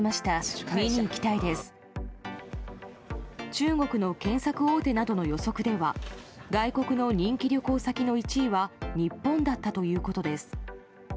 中国の検索大手などの予測では外国の人気旅行先の１位は日本だったということです。